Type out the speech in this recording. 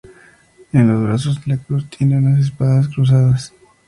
En los brazos de la cruz tiene unas espadas cruzadas.